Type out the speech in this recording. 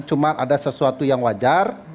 cuma ada sesuatu yang wajar